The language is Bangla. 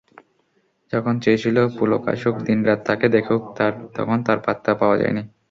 যখন চেয়েছিল পুলক আসুক, দিনরাত তাকে দেখুক, তখন তার পাত্তা পাওয়া যায়নি।